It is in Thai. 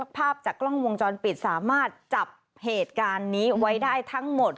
ภาพจากกล้องวงจรปิดสามารถจับเหตุการณ์นี้ไว้ได้ทั้งหมด